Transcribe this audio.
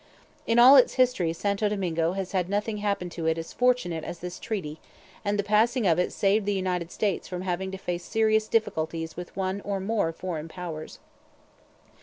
In all its history Santo Domingo has had nothing happen to it as fortunate as this treaty, and the passing of it saved the United States from having to face serious difficulties with one or more foreign powers.